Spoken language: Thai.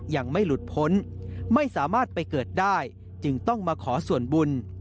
ยังไม่หลุดพ้นไม่สามารถไปเกิดได้จึงต้องมาขอส่วนบุญ